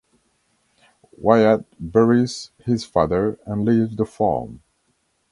Wyatt buries his father and leaves the farm.